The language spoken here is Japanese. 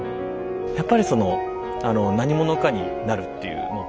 やっぱりその何者かになるっていうのって